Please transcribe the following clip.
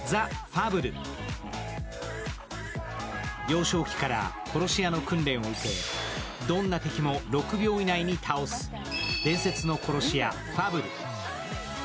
幼少期から殺し屋の訓練を受け、どんな敵も６秒以内に倒す、伝説の殺し屋、ファブル。